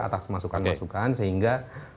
atas masukan masukan sehingga